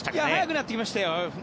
早くなってきましたね。